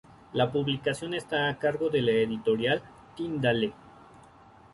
La publicación está a cargo de la editorial "Tyndale".